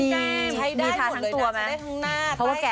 มีทาทั้งตัวมา